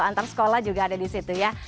antar sekolah juga ada di situ ya